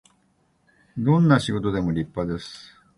どんな仕事でも立派です